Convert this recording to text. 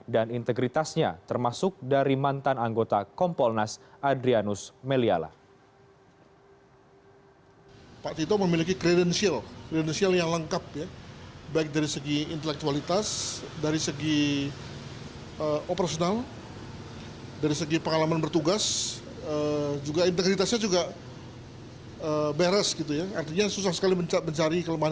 dan integritasnya termasuk dari mantan anggota kompolnas adrianus meliala